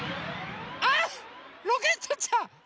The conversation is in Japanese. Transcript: あっロケットちゃん。